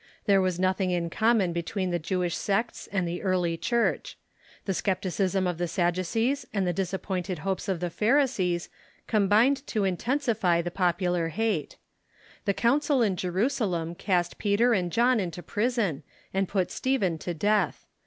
There was nothing in common be tween the Jewish sects and the early Church. ^TchriSity" ^^^^ scepticism of the Sadducees and the disap pointed hopes of the Pharisees combined to in tensify the popular hate. The council in Jerusalem cast Peter and John into prison, and put Stephen to death.